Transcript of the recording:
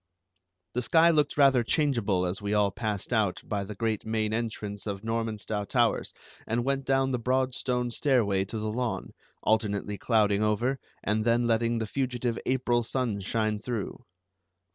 The sky looked rather changeable as we all passed out by the great main entrance of Normanstow Towers, and went down the broad stone stairway to the lawn, alternately clouding over and then letting the fugitive April sun shine through.